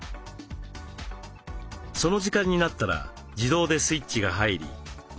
その時間になったら自動でスイッチが入り番組が流れるのです。